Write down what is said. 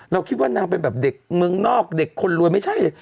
เราคิดว่านางเป็นแบบเด็กเมืองนอกเด็กคนรวยไม่ใช่เลย